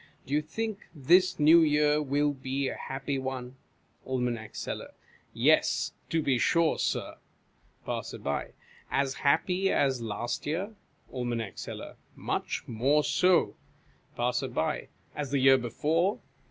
Do you think this New Year will be a happy one ? Aim. Seller. Yes, to be sure, Sir. Passer. As happy as last year ? Aim. Seller. Much more so. Passer. As the year before